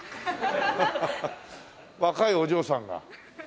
若いお嬢さんがねえ。